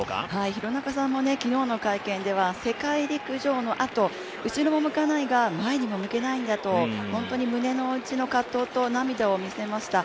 廣中さんも昨日の会見では世界陸上のあと、後ろを向かないが、前にも向けないんだと本当に胸のうちと葛藤と涙を見せました。